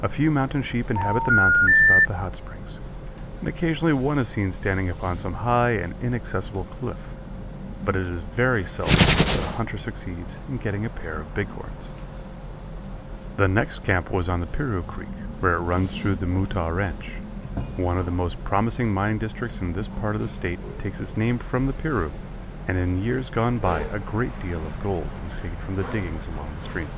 A few mountain sheep inhabit the mountains about the Hot Springs, and occasionally one is seen standing upon some high and inaccessible cliff, but it is very seldom that a hunter succeeds in getting a pair of big horns. The next camp was on the Piru Creek, where it runs through the Mutaw ranch. One of the most promising mining districts in this part of the State takes its name from the Piru, and in years gone by a great deal of gold was taken from the diggings along the stream.